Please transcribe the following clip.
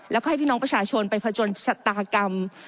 แล้วก็ให้พี่น้องประชาชนไปผจญชะตากรรม